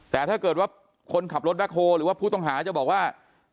แต่ถ้าเกิดว่าคนขับรถแบ็คโฮหรือว่าผู้ต้องหาจะบอกว่า